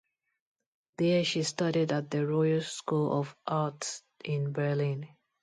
There she studied at The Royal School of Art in Berlin.